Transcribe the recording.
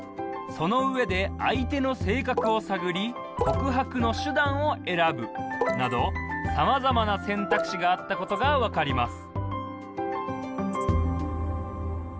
その上で相手の性格を探り告白の手段を選ぶなどさまざまな選択肢があったことがわかります